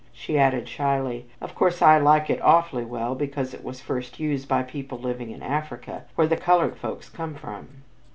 She added, shyly: "Of course, I like it awfully well because it was first used by people living in Africa where the colored folks come from."